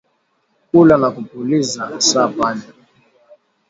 Kula na kupuliza sa panya